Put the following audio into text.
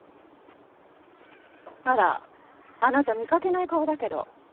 あらあなた見かけない顔だけど？